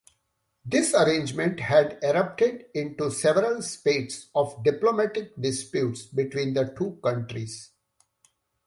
This arrangement had erupted into several spates of diplomatic disputes between the two countries.